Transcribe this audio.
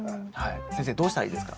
先生どうしたらいいですか？